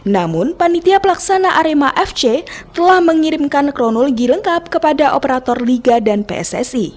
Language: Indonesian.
namun panitia pelaksana arema fc telah mengirimkan kronologi lengkap kepada operator liga dan pssi